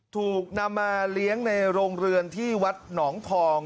ถูกนำมาเลี้ยงในโรงเรือนที่วัดหนองทอง